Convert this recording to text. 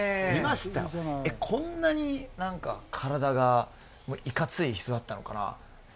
こんなに何か体がいかつい人だったのかな？